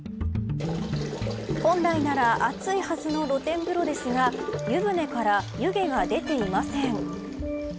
本来なら熱いはずの露天風呂ですが湯船から湯気が出ていません。